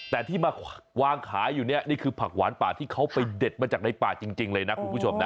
แต่ที่มาวางขายอยู่เนี่ยนี่คือผักหวานป่าที่เขาไปเด็ดมาจากในป่าจริงเลยนะคุณผู้ชมนะ